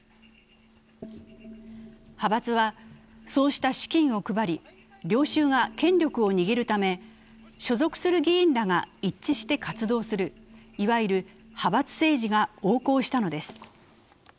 派閥は、そうした資金を配り、領袖が権力を握るため所属する議員らが一致して活動するいわゆる派閥政治が横行したのです。